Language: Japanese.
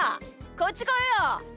こっちこいよ。